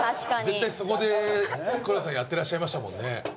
絶対そこで黒田さんやってらっしゃいましたもんね。